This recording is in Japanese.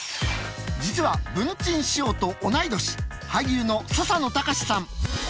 実は文珍師匠と同い年俳優の笹野高史さん。